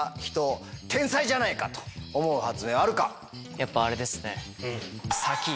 やっぱあれですね。